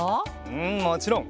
うんもちろん！